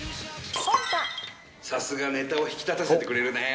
さすがネタを引き立たせてくれるね。